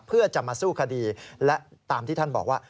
เพื่อจะมาสู้คดีและตามที่ท่านบอกว่า